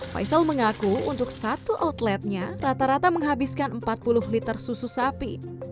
faisal mengaku untuk satu outletnya rata rata menghabiskan empat puluh liter susu sapi